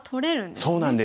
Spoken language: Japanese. そうなんです。